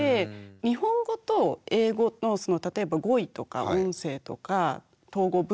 日本語と英語の例えば語彙とか音声とか統語文法ですね。